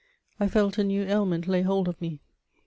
I felt a new ailment lay hold of me.